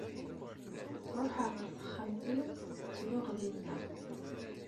Ruḥeɣ ɣer texxamt-iw ttruɣ dinna.